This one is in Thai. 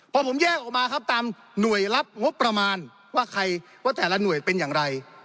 พอผมแยกออกมาครับตามหน่วยรับงบประมาณว่าใครว่าแต่ละหน่วยเป็นอย่างไร